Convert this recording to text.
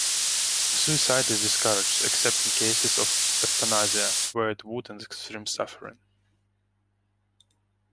Suicide is discouraged except in cases of euthanasia, where it would end extreme suffering.